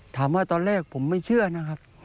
ถามว่าตอนแรกผมไม่เชื่อนะครับ